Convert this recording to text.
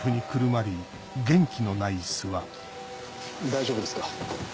大丈夫ですか？